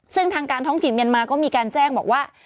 ซึ่งทางการท้องถิ่นเมียนมาก็มีการแจ้งบอกว่า